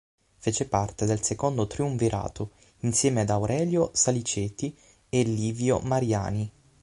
Fece parte del secondo triumvirato, insieme ad Aurelio Saliceti e Livio Mariani.